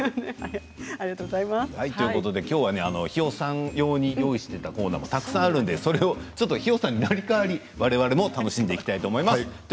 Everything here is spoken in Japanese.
きょうは氷魚さん用に用意していたコーナーもたくさんあるのできょうは氷魚さんに成り代わって楽しんでいこうと思います。